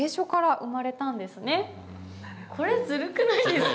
これずるくないですか？